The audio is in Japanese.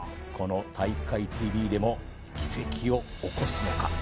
この体育会ＴＶでも奇跡を起こすのか？